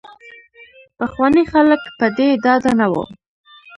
پخواني خلک په دې ډاډه نه وو.